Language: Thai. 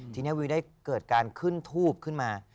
ทีนี้วิวได้เกิดการขึ้นทูบขึ้นมา